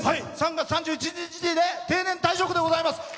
３月３１日で定年退職でございます。